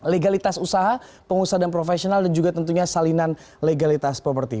legalitas usaha pengusaha dan profesional dan juga tentunya salinan legalitas properti